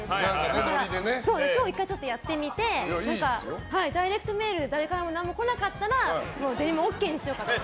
だから、今日１回やってみてダイレクトメール誰からも何も来なかったらデニムＯＫにしようかなと。